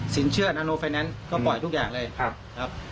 เชื่ออโนไฟแนนซ์ก็ปล่อยทุกอย่างเลยครับ